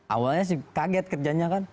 awalnya sih kaget kerjanya kan